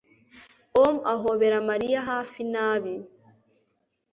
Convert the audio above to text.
om ahobera mariya hafi nabi